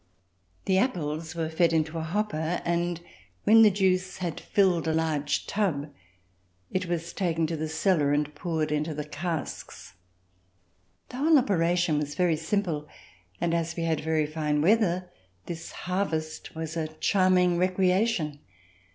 The apples were fed into a hopper, and when the juice had filled a large tub, it was taken to the cellar and poured into the casks. The whole operation was very simple and, as we had very fine weather, this harvest was a charming recreation.